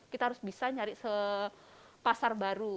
kita harus bisa nyari pasar baru